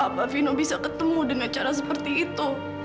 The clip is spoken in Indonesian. apa vino bisa ketemu dengan cara seperti itu